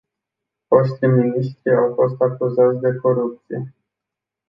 Foști miniștri au fost acuzați de corupție.